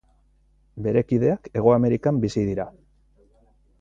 Bere kideak Hego Amerikan bizi dira.